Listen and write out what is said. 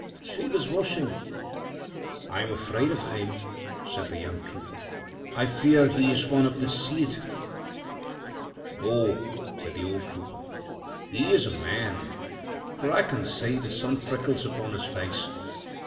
she was washing!' 'I am afraid of him,'said the young trooper, 'I fear he is one of the Sidhe.' 'No,' saidthe old trooper, 'he is a man, for I can see the sun freckles uponhis face.